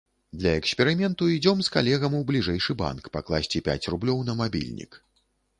Для эксперыменту ідзём з калегам у бліжэйшы банк пакласці пяць рублёў на мабільнік.